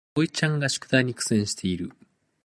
あおいちゃんが宿題に苦戦している